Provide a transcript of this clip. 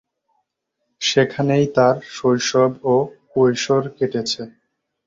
সেখানেই তার শৈশব ও কৈশোর কেটেছে।